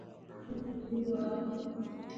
Wafadhili wana mitazamo na malengo yao